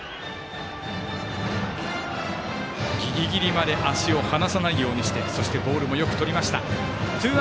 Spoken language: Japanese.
ギリギリまで足を離さないようにしてそして、ボールもよくとりました。